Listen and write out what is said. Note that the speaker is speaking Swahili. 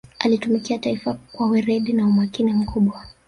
alitumikia taifa kwa weredi na umakini mkubwa